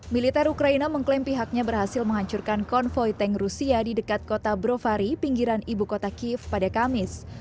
militer ukraina mengklaim pihaknya berhasil menghancurkan konvoy tank rusia di dekat kota brofari pinggiran ibu kota kiev pada kamis